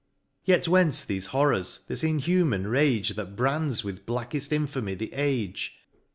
Yet whence thefe horrors ? this inhuman rage. That brands with blackefl infamy the age